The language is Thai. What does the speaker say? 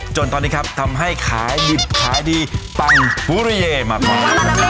จนตอนนี้ครับทำให้ขายดีผลปังปุริเบอร์เยมาก่อน